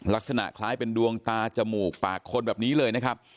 ลักษณะคล้ายเป็นดวงตาจมูกปากคนแบบนี้เลยนะครับ